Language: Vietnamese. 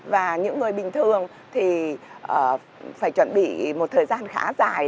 và những người bình thường thì phải chuẩn bị một thời gian khá dài